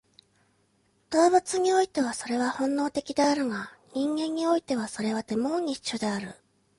動物においてはそれは本能的であるが、人間においてはそれはデモーニッシュである。